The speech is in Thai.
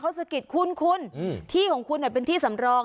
เขาศักดิ์คุ้นคุณอืมที่ของคุณแบบเป็นที่สำรอง